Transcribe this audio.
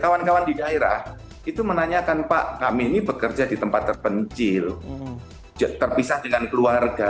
kawan kawan di daerah itu menanyakan pak kami ini bekerja di tempat terpencil terpisah dengan keluarga